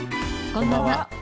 こんばんは。